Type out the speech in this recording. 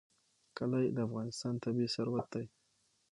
کلي د افغانستان طبعي ثروت دی.